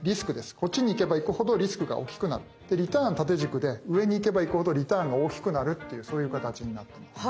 こっちに行けば行くほどリスクが大きくなってリターン縦軸で上に行けば行くほどリターンが大きくなるっていうそういう形になってます。